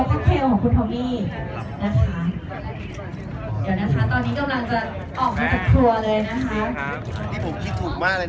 ก็๕จานครับ๕จาน